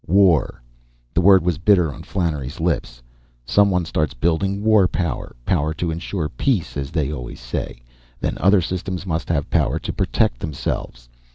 "War!" The word was bitter on Flannery's lips. "Someone starts building war power power to insure peace, as they always say. Then other systems must have power to protect themselves.